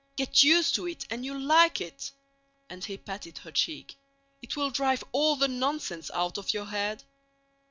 Get used to it and you'll like it," and he patted her cheek. "It will drive all the nonsense out of your head."